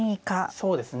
そうですね。